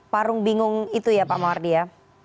parung bingung itu ya pak mardi ya